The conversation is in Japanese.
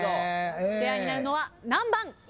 ペアになるのは何番？